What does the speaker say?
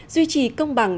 duy trì công bằng